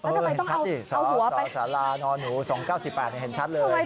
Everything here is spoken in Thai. เออเห็นชัดดิสระนอนหู๒๙๔๘เห็นชัดเลยเอาหัวไป